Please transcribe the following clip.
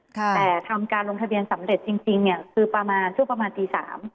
แต่ทำการลงทะเบียนสำเร็จจริงเนี่ยคือประมาณช่วงประมาณตี๓